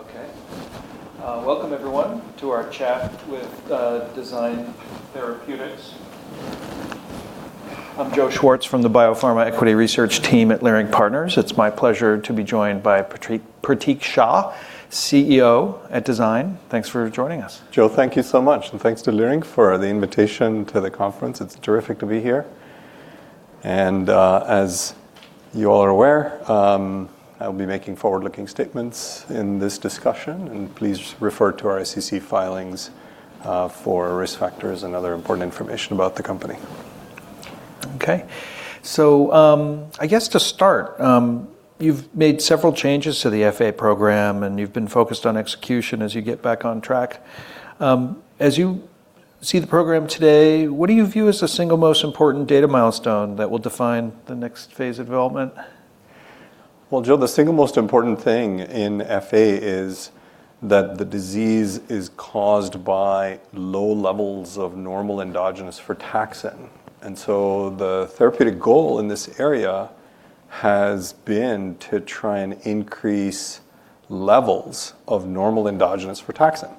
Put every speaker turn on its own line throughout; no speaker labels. Okay. Welcome everyone to our chat with Design Therapeutics. I'm Joe Schwartz from the Biopharma Equity Research team at Leerink Partners. It's my pleasure to be joined by Pratik Shah, CEO at Design. Thanks for joining us.
Joe, thank you so much, and thanks to Leerink for the invitation to the conference. It's terrific to be here. As you all are aware, I'll be making forward-looking statements in this discussion, and please refer to our SEC filings for risk factors and other important information about the company.
You've made several changes to the FA program, and you've been focused on execution as you get back on track. As you see the program today, what do you view as the single most important data milestone that will define the next phase of development?
Well, Joe, the single most important thing in FA is that the disease is caused by low levels of normal endogenous frataxin. The therapeutic goal in this area has been to try and increase levels of normal endogenous frataxin.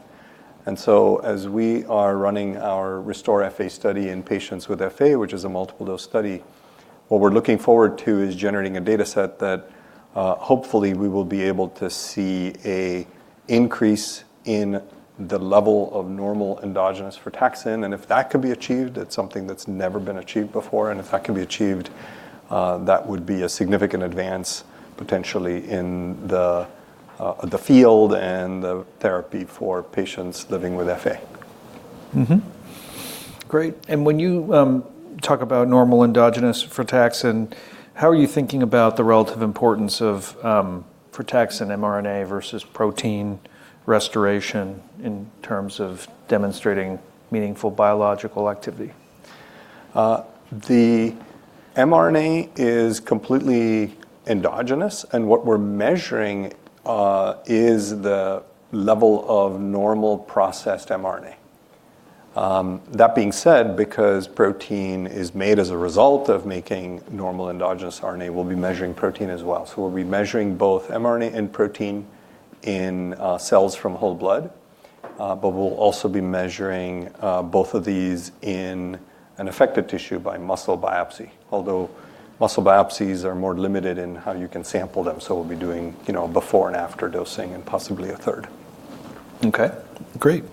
As we are running our RESTORE-FA study in patients with FA, which is a multiple-dose study, what we're looking forward to is generating a data set that, hopefully we will be able to see an increase in the level of normal endogenous frataxin. If that could be achieved, it's something that's never been achieved before, and if that can be achieved, that would be a significant advance potentially in the field and the therapy for patients living with FA.
Great. When you talk about normal endogenous frataxin, how are you thinking about the relative importance of frataxin mRNA versus protein restoration in terms of demonstrating meaningful biological activity?
The mRNA is completely endogenous, and what we're measuring is the level of normal processed mRNA. That being said, because protein is made as a result of making normal endogenous RNA, we'll be measuring protein as well. We'll be measuring both mRNA and protein in cells from whole blood, but we'll also be measuring both of these in an affected tissue by muscle biopsy, although muscle biopsies are more limited in how you can sample them, so we'll be doing, you know, before and after dosing, and possibly a third.
Okay. Great.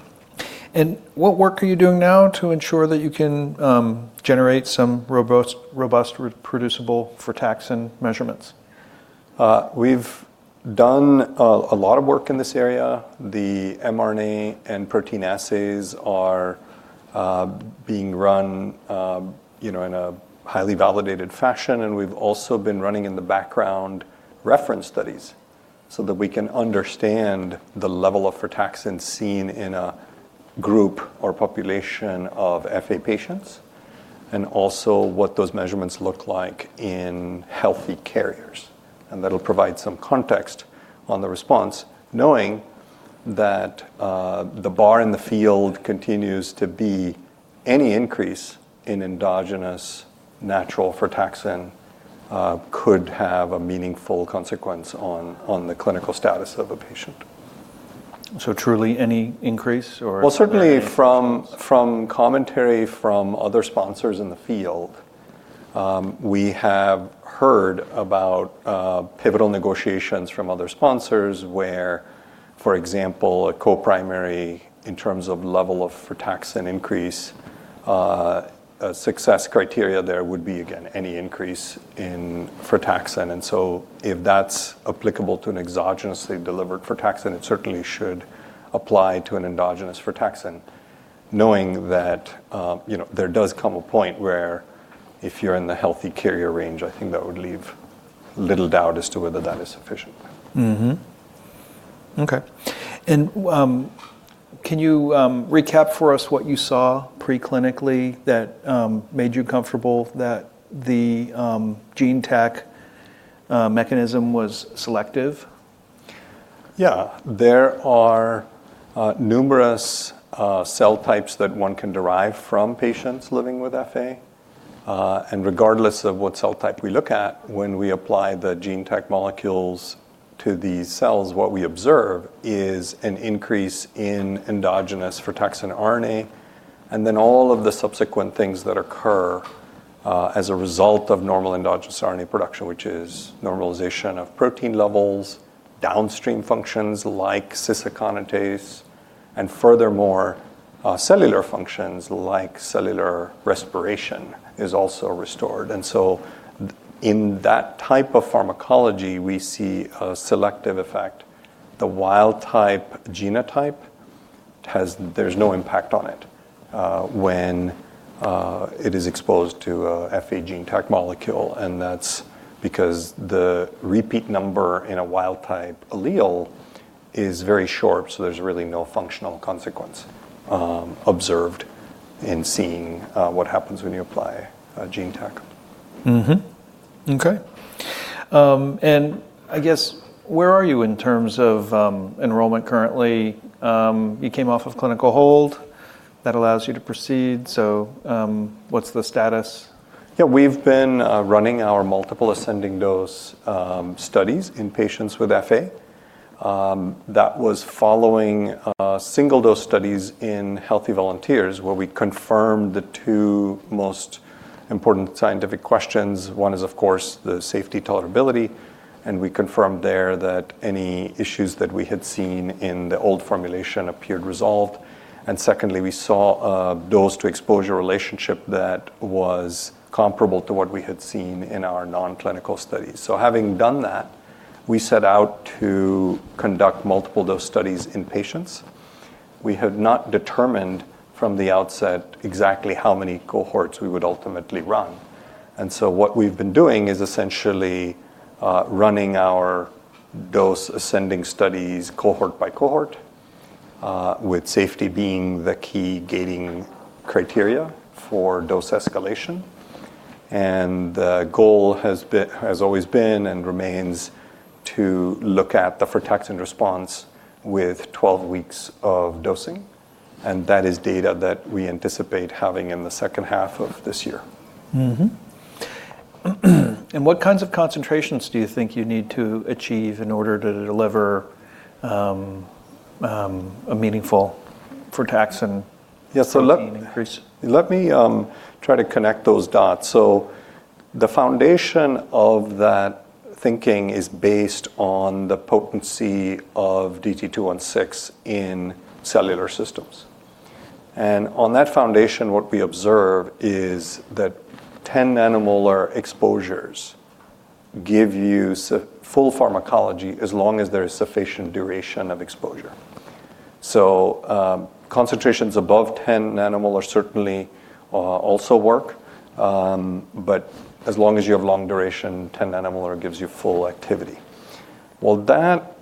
What work are you doing now to ensure that you can generate some robust reproducible frataxin measurements?
We've done a lot of work in this area. The mRNA and protein assays are being run, in a highly validated fashion, and we've also been running in the background reference studies so that we can understand the level of frataxin seen in a group or population of FA patients, and also what those measurements look like in healthy carriers. That'll provide some context on the response, knowing that the bar in the field continues to be any increase in endogenous natural frataxin, could have a meaningful consequence on the clinical status of a patient.
Truly, any increase or
Well, certainly from commentary from other sponsors in the field, we have heard about pivotal negotiations from other sponsors where, for example, a co-primary in terms of level of frataxin increase, a success criteria there would be, again, any increase in frataxin. And so if that's applicable to an exogenously delivered frataxin, it certainly should apply to an endogenous frataxin, knowing that, there does come a point where if you're in the healthy carrier range, I think that would leave little doubt as to whether that is sufficient.
Okay. Can you recap for us what you saw pre-clinically that made you comfortable that the GeneTAC mechanism was selective?
Yeah. There are numerous cell types that one can derive from patients living with FA, and regardless of what cell type we look at, when we apply the GeneTAC molecules to these cells, what we observe is an increase in endogenous frataxin RNA, and then all of the subsequent things that occur as a result of normal endogenous RNA production, which is normalization of protein levels, downstream functions like cis-aconitate, and furthermore, cellular functions like cellular respiration is also restored. In that type of pharmacology, we see a selective effect. The wild-type genotype. There's no impact on it when it is exposed to a FA GeneTAC molecule, and that's because the repeat number in a wild-type allele is very short, so there's really no functional consequence observed in seeing what happens when you apply a GeneTAC.
Okay. I guess where are you in terms of enrollment currently? You came off of clinical hold. That allows you to proceed, so what's the status?
Yeah, we've been running our multiple ascending dose studies in patients with FA. That was following single dose studies in healthy volunteers where we confirmed the two most important scientific questions. One is, of course, the safety, tolerability, and we confirmed there that any issues that we had seen in the old formulation appeared resolved. Secondly, we saw a dose to exposure relationship that was comparable to what we had seen in our non-clinical studies. Having done that, we set out to conduct multiple dose studies in patients. We had not determined from the outset exactly how many cohorts we would ultimately run. What we've been doing is essentially running our dose ascending studies cohort by cohort with safety being the key gating criteria for dose escalation. The goal has always been and remains to look at the frataxin response with 12 weeks of dosing, and that is data that we anticipate having in the second half of this year.
What kinds of concentrations do you think you need to achieve in order to deliver a meaningful frataxin increase?
Let me try to connect those dots. The foundation of that thinking is based on the potency of DT-216 in cellular systems. On that foundation, what we observe is that 10 nanomolar exposures give you full pharmacology as long as there is sufficient duration of exposure. Concentrations above 10 nanomolar certainly also work, but as long as you have long duration, 10 nanomolar gives you full activity. Well, that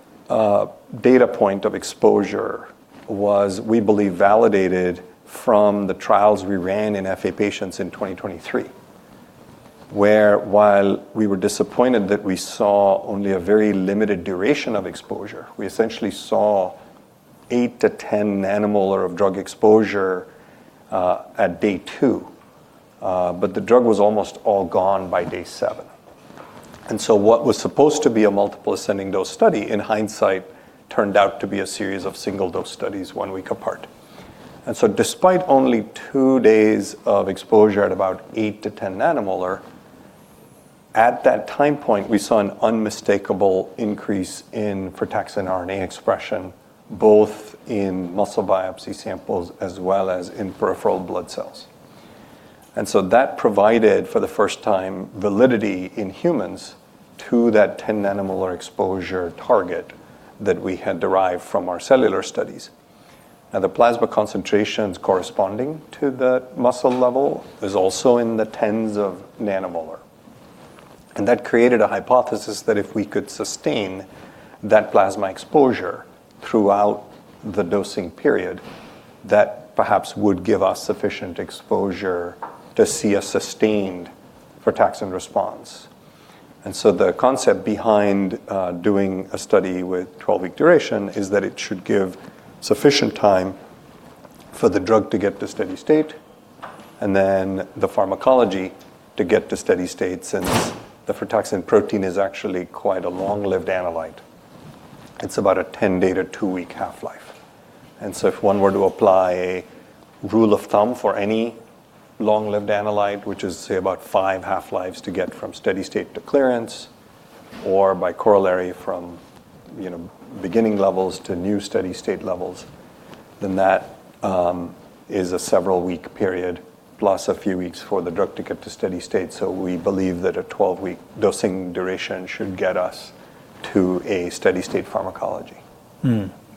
data point of exposure was, we believe, validated from the trials we ran in FA patients in 2023, where while we were disappointed that we saw only a very limited duration of exposure, we essentially saw 8-10 nanomolar of drug exposure at day 2, but the drug was almost all gone by day 7. What was supposed to be a multiple ascending dose study, in hindsight, turned out to be a series of single dose studies one week apart. Despite only two days of exposure at about eight to ten nanomolar, at that time point, we saw an unmistakable increase in frataxin RNA expression, both in muscle biopsy samples as well as in peripheral blood cells. That provided, for the first time, validity in humans to that ten nanomolar exposure target that we had derived from our cellular studies. Now, the plasma concentrations corresponding to the muscle level is also in the tens of nanomolar. That created a hypothesis that if we could sustain that plasma exposure throughout the dosing period, that perhaps would give us sufficient exposure to see a sustained frataxin response. The concept behind doing a study with 12-week duration is that it should give sufficient time for the drug to get to steady state and then the pharmacology to get to steady state since the frataxin protein is actually quite a long-lived analyte. It's about a 10-day to 2-week half-life. If one were to apply rule of thumb for any long-lived analyte, which is, say, about five half-lives to get from steady state to clearance or by corollary from, beginning levels to new steady state levels, then that is a several week period plus a few weeks for the drug to get to steady state. We believe that a 12-week dosing duration should get us to a steady state pharmacology.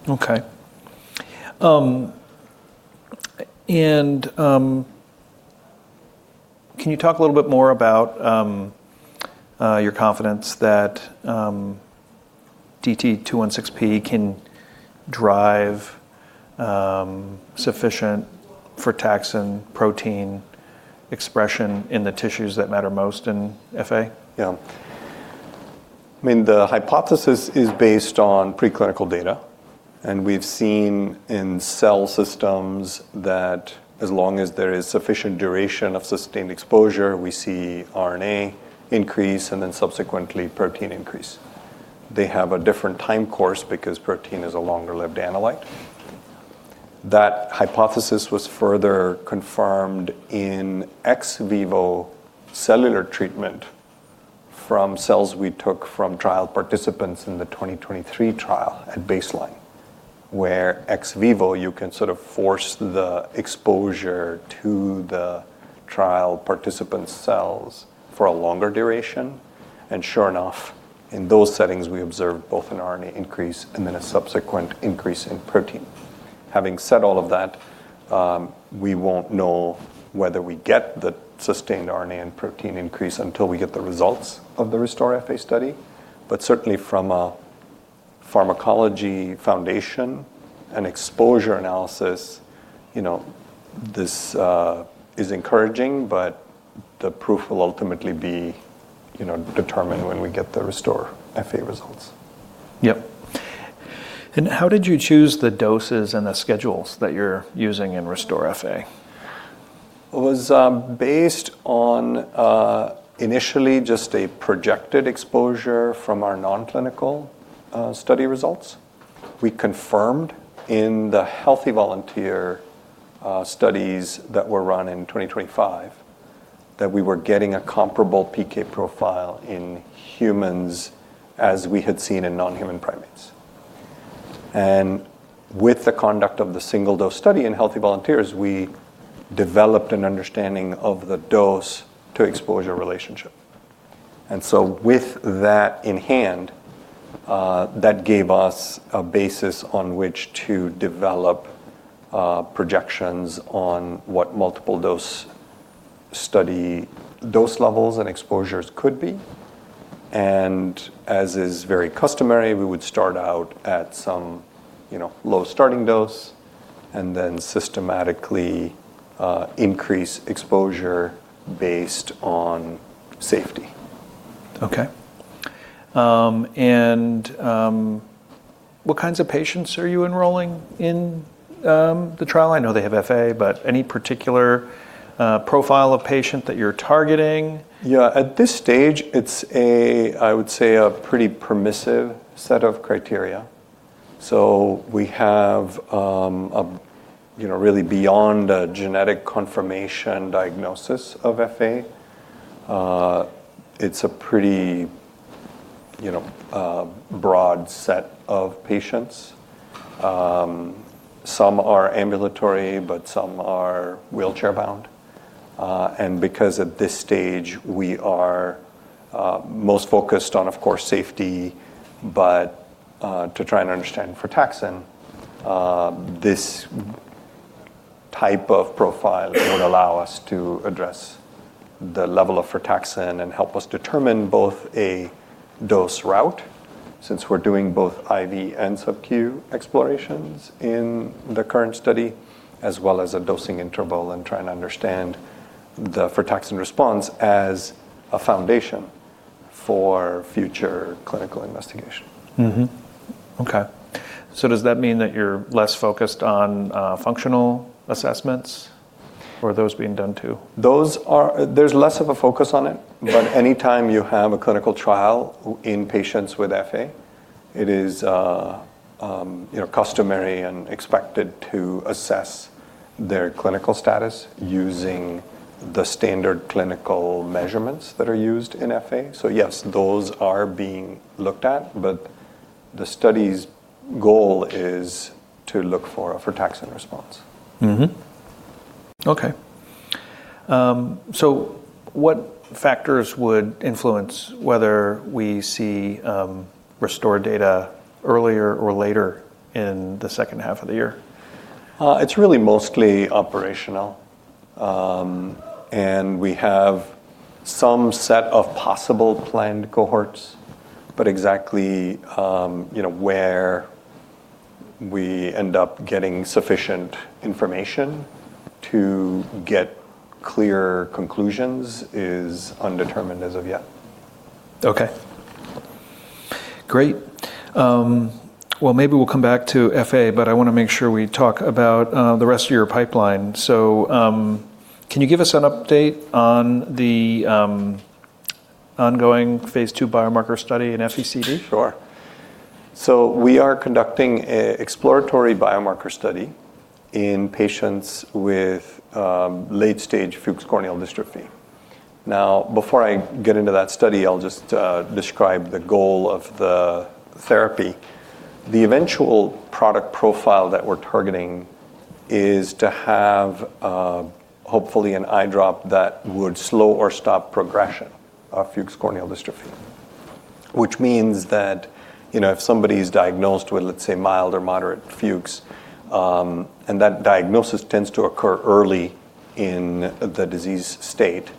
Okay. Can you talk a little bit more about your confidence that DT-216P can drive sufficient frataxin protein expression in the tissues that matter most in FA?
I mean, the hypothesis is based on preclinical data, and we've seen in cell systems that as long as there is sufficient duration of sustained exposure, we see RNA increase and then subsequently protein increase. They have a different time course because protein is a longer-lived analyte. That hypothesis was further confirmed in ex vivo cellular treatment from cells we took from trial participants in the 2023 trial at baseline, where ex vivo you can sort of force the exposure to the trial participants' cells for a longer duration. Sure enough, in those settings we observed both an RNA increase and then a subsequent increase in protein. Having said all of that, we won't know whether we get the sustained RNA and protein increase until we get the results of the RESTORE-FA study. Certainly from a pharmacology foundation and exposure analysis, you know, this is encouraging, but the proof will ultimately be, you know, determined when we get the RESTORE-FA results.
How did you choose the doses and the schedules that you're using in RESTORE-FA?
It was based on initially just a projected exposure from our non-clinical study results. We confirmed in the healthy volunteer studies that were run in 2025 that we were getting a comparable PK profile in humans as we had seen in non-human primates. With the conduct of the single dose study in healthy volunteers, we developed an understanding of the dose-to-exposure relationship. With that in hand, that gave us a basis on which to develop projections on what multiple dose study dose levels and exposures could be. As is very customary, we would start out at some, you know, low starting dose and then systematically increase exposure based on safety.
Okay. What kinds of patients are you enrolling in the trial? I know they have FA, but any particular profile of patient that you're targeting?
At this stage, it's a, I would say, a pretty permissive set of criteria. We have a really beyond a genetic confirmation diagnosis of FA. It's a pretty broad set of patients. Some are ambulatory, but some are wheelchair bound. Because at this stage we are most focused on, of course, safety, but to try and understand frataxin, this type of profile would allow us to address the level of frataxin and help us determine both a dose route, since we're doing both IV and sub-Q explorations in the current study, as well as a dosing interval and trying to understand the frataxin response as a foundation for future clinical investigation.
Does that mean that you're less focused on functional assessments or are those being done too?
There's less of a focus on it, but anytime you have a clinical trial in patients with FA, it is, you know, customary and expected to assess their clinical status using the standard clinical measurements that are used in FA. Yes, those are being looked at, but the study's goal is to look for a frataxin response.
What factors would influence whether we see RESTORE-FA data earlier or later in the second half of the year?
It's really mostly operational. We have some set of possible planned cohorts, but exactly, you know, where we end up getting sufficient information to get clear conclusions is undetermined as of yet.
Maybe we'll come back to FA, but I wanna make sure we talk about the rest of your pipeline. Can you give us an update on the ongoing Phase 2 biomarker study in FECD?
Sure. We are conducting an exploratory biomarker study in patients with late stage Fuchs' corneal dystrophy. Now, before I get into that study, I'll just describe the goal of the therapy. The eventual product profile that we're targeting is to have hopefully an eye drop that would slow or stop progression of Fuchs' corneal dystrophy, which means that, if somebody's diagnosed with, let's say, mild or moderate Fuchs', and that diagnosis tends to occur early in the disease state,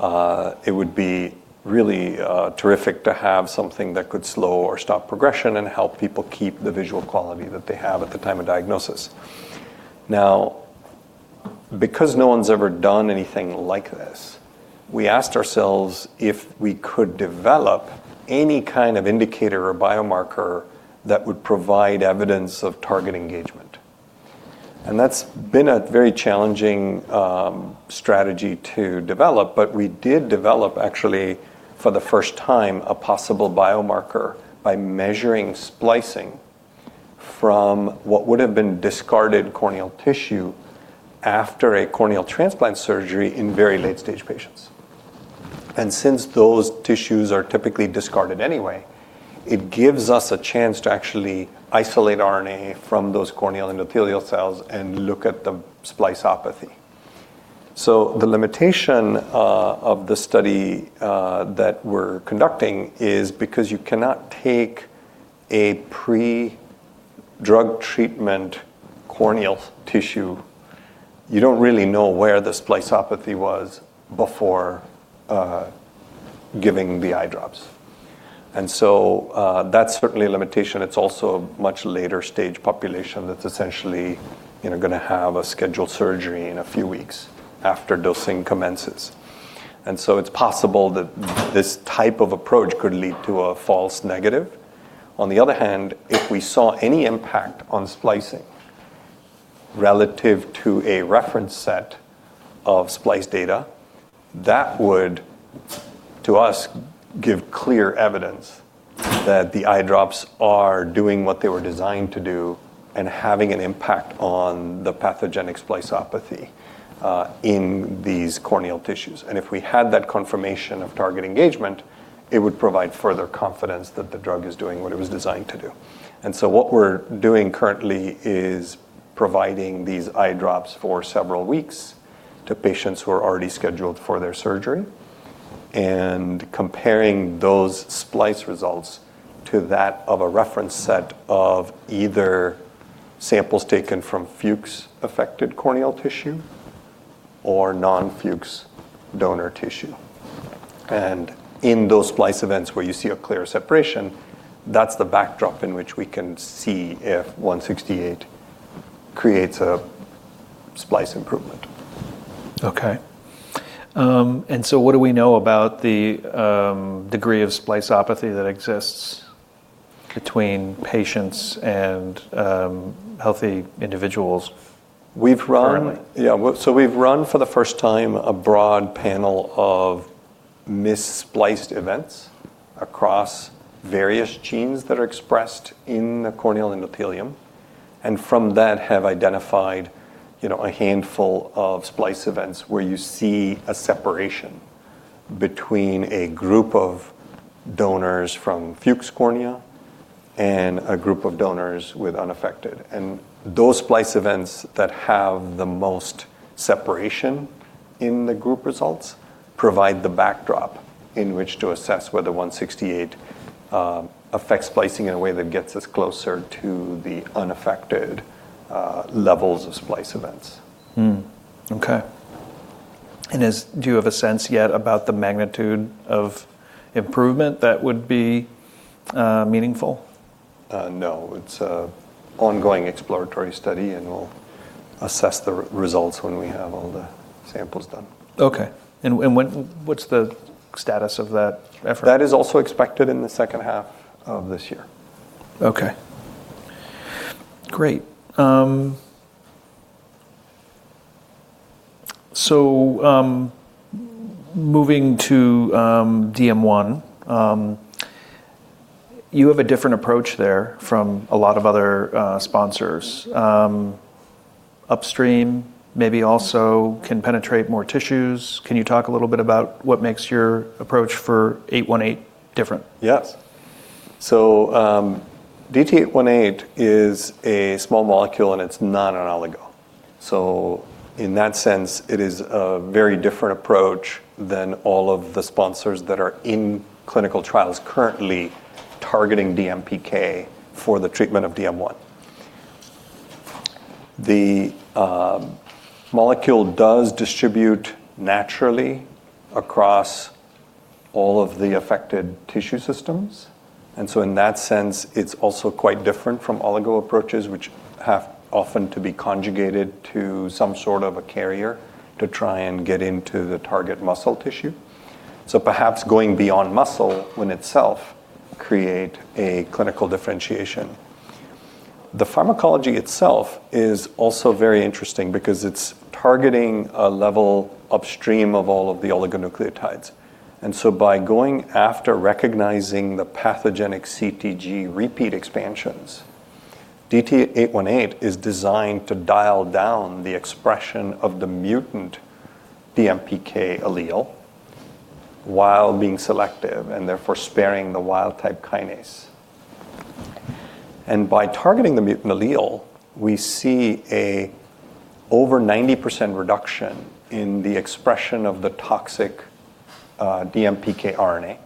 it would be really terrific to have something that could slow or stop progression and help people keep the visual quality that they have at the time of diagnosis. Now, because no one's ever done anything like this, we asked ourselves if we could develop any kind of indicator or biomarker that would provide evidence of target engagement. That's been a very challenging strategy to develop, but we did develop actually for the first time a possible biomarker by measuring splicing from what would have been discarded corneal tissue after a corneal transplant surgery in very late stage patients. Since those tissues are typically discarded anyway, it gives us a chance to actually isolate RNA from those corneal endothelial cells and look at the spliceopathy. The limitation of the study that we're conducting is because you cannot take a pre-drug treatment corneal tissue, you don't really know where the spliceopathy was before giving the eye drops. That's certainly a limitation. It's also a much later stage population that's essentially, gonna have a scheduled surgery in a few weeks after dosing commences. It's possible that this type of approach could lead to a false negative. On the other hand, if we saw any impact on splicing relative to a reference set of splice data, that would, to us, give clear evidence that the eye drops are doing what they were designed to do and having an impact on the pathogenic spliceopathy in these corneal tissues. If we had that confirmation of target engagement, it would provide further confidence that the drug is doing what it was designed to do. What we're doing currently is providing these eye drops for several weeks to patients who are already scheduled for their surgery and comparing those splice results to that of a reference set of either samples taken from Fuchs'-affected corneal tissue or non-Fuchs' donor tissue. In those splice events where you see a clear separation, that's the backdrop in which we can see if DT-168 creates a splice improvement.
What do we know about the degree of spliceopathy that exists between patients and healthy individuals currently?
We've run for the first time a broad panel of mis-spliced events across various genes that are expressed in the corneal endothelium, and from that have identified, a handful of splice events where you see a separation between a group of donors from Fuchs' cornea and a group of donors with unaffected. Those splice events that have the most separation in the group results provide the backdrop in which to assess whether DT-168 affects splicing in a way that gets us closer to the unaffected levels of splice events.
Okay. Do you have a sense yet about the magnitude of improvement that would be meaningful?
No. It's a ongoing exploratory study, and we'll assess the results when we have all the samples done.
Okay. What's the status of that effort?
That is also expected in the second half of this year.
Okay. Great. Moving to DM1, you have a different approach there from a lot of other sponsors upstream, maybe also can penetrate more tissues. Can you talk a little bit about what makes your approach for DT-818 different?
Yes. DT-818 is a small molecule, and it's not an oligo. In that sense, it is a very different approach than all of the sponsors that are in clinical trials currently targeting DMPK for the treatment of DM1. The molecule does distribute naturally across all of the affected tissue systems, and so in that sense, it's also quite different from oligo approaches, which have often to be conjugated to some sort of a carrier to try and get into the target muscle tissue. Perhaps going beyond muscle would itself create a clinical differentiation. The pharmacology itself is also very interesting because it's targeting a level upstream of all of the oligonucleotides. By going after recognizing the pathogenic CTG repeat expansions, DT-818 is designed to dial down the expression of the mutant DMPK allele while being selective and therefore sparing the wild-type kinase. By targeting the mutant allele, we see over 90% reduction in the expression of the toxic, DMPK RNA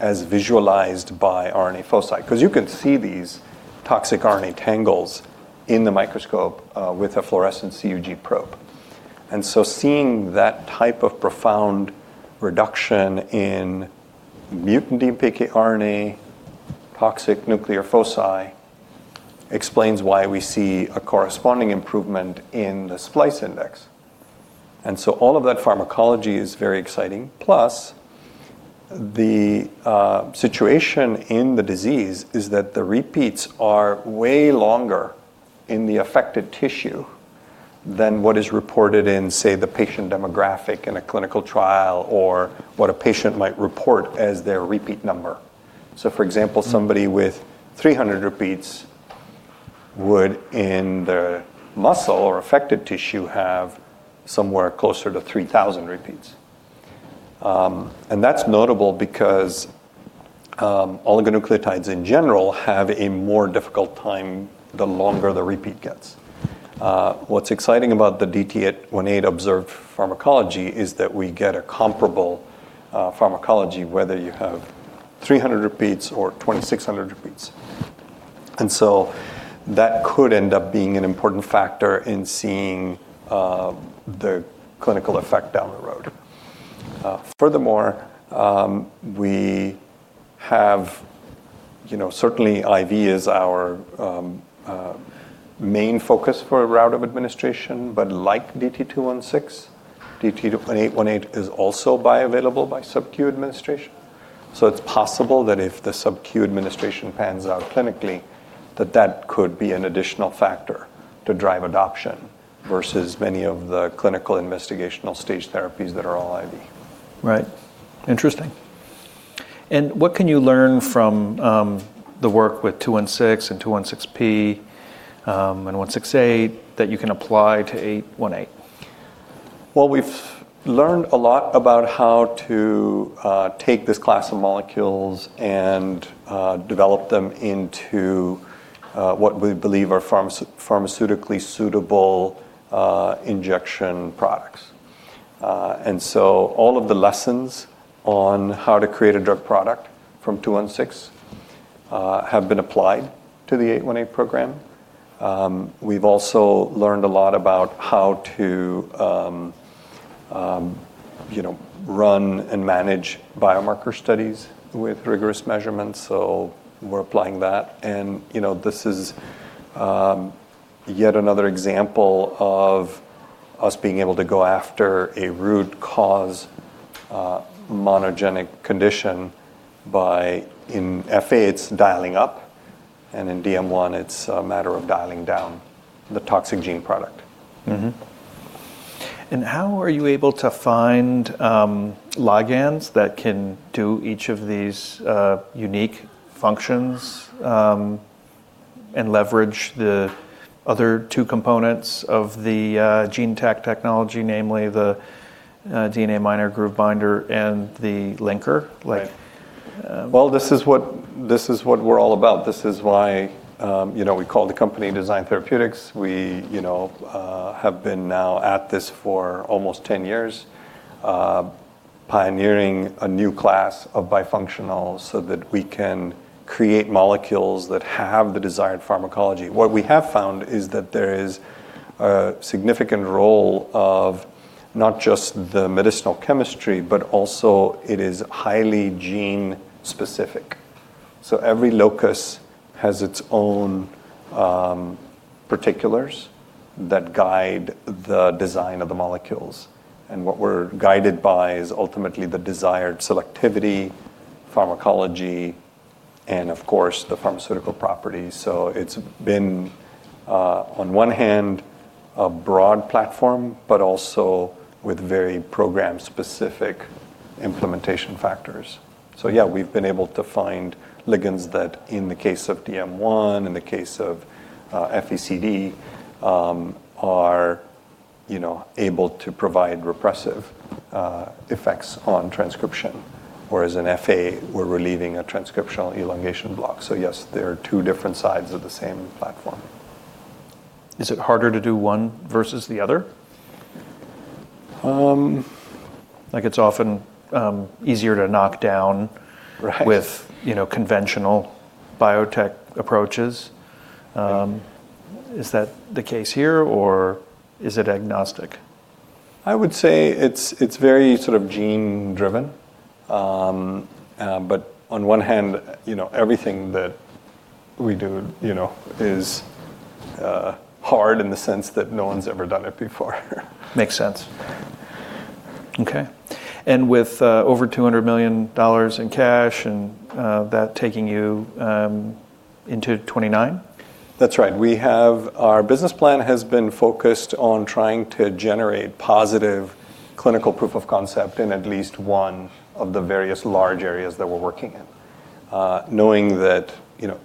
as visualized by RNA foci, 'cause you can see these toxic RNA tangles in the microscope, with a fluorescent CUG probe. Seeing that type of profound reduction in mutant DMPK RNA toxic nuclear foci explains why we see a corresponding improvement in the splice index. All of that pharmacology is very exciting. Plus, the situation in the disease is that the repeats are way longer in the affected tissue than what is reported in, say, the patient demographic in a clinical trial or what a patient might report as their repeat number. For example, somebody with 300 repeats would, in their muscle or affected tissue, have somewhere closer to 3,000 repeats. That's notable because oligonucleotides in general have a more difficult time the longer the repeat gets. What's exciting about the DT-818 observed pharmacology is that we get a comparable pharmacology whether you have 300 repeats or 2,600 repeats. That could end up being an important factor in seeing the clinical effect down the road. Furthermore, certainly IV is our main focus for a route of administration, but like DT-216, DT-818 is also bioavailable by sub-Q administration. It's possible that if the sub-Q administration pans out clinically, that could be an additional factor to drive adoption versus many of the clinical investigational stage therapies that are all IV.
Right. Interesting. What can you learn from the work with two one six, and two one six P, and one six eight that you can apply to eight one eight?
We've learned a lot about how to take this class of molecules and develop them into what we believe are pharmaceutically suitable injection products. All of the lessons on how to create a drug product from two one six have been applied to the eight one eight program. We've also learned a lot about how to you know run and manage biomarker studies with rigorous measurements, so we're applying that. This is yet another example of us being able to go after a root cause monogenic condition by. In FA, it's dialing up, and in DM1, it's a matter of dialing down the toxic gene product.
How are you able to find ligands that can do each of these unique functions and leverage the other two components of the GeneTAC technology, namely the DNA minor groove binder and the linker like-
Right. Well, this is what we're all about. This is why, you know, we call the company Design Therapeutics. We, have been now at this for almost 10 years, pioneering a new class of bifunctionals so that we can create molecules that have the desired pharmacology. What we have found is that there is a significant role of not just the medicinal chemistry, but also it is highly gene specific. Every locus has its own particulars that guide the design of the molecules. What we're guided by is ultimately the desired selectivity, pharmacology, and of course the pharmaceutical property. It's been on one hand a broad platform, but also with very program-specific implementation factors. We've been able to find ligands that, in the case of DM1, in the case of FECD, are, able to provide repressive effects on transcription, whereas in FA, we're relieving a transcriptional elongation block. Yes, they are two different sides of the same platform.
Is it harder to do one versus the other? Like, it's often easier to knock down.
Right
With conventional biotech approaches. Is that the case here, or is it agnostic?
I would say it's very sort of gene driven. On one hand, everything that we do, is hard in the sense that no one's ever done it before.
Makes sense. Okay. With over $200 million in cash and that taking you into 2029?
That's right. Our business plan has been focused on trying to generate positive clinical proof of concept in at least one of the various large areas that we're working in, knowing that,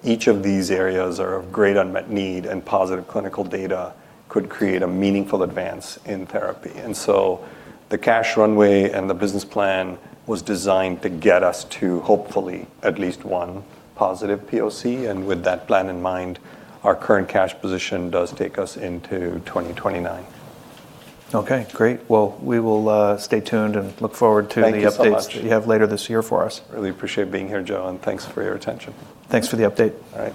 each of these areas are of great unmet need, and positive clinical data could create a meaningful advance in therapy. The cash runway and the business plan was designed to get us to hopefully at least one positive POC. With that plan in mind, our current cash position does take us into 2029.
Okay, great. Well, we will stay tuned and look forward to.
Thank you so much.
The updates that you have later this year for us.
Really appreciate being here, Joe, and thanks for your attention.
Thanks for the update.
All right.